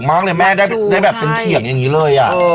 มากเลยแม่ได้แบบเป็นเขียงอย่างนี้เลย